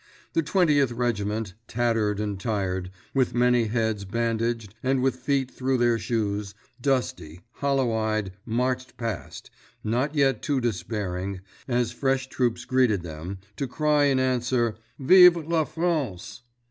The Twentieth Regiment, tattered and tired, with many heads bandaged and many with feet through their shoes, dusty, hollow eyed, marched past, not yet too despairing, as fresh troops greeted them, to cry in answer "_Vive la France!